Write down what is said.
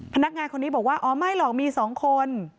พนักงานคนนี้บอกว่าอ๋อไม่หรอกมี๒คน